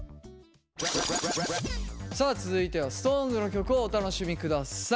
さあ続いてはＳｉｘＴＯＮＥＳの曲をお楽しみ下さい。